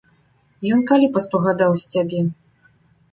Ён калі паспагадаў з цябе?